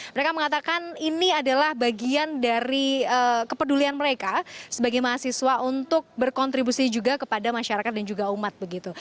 mereka mengatakan ini adalah bagian dari kepedulian mereka sebagai mahasiswa untuk berkontribusi juga kepada masyarakat dan juga umat begitu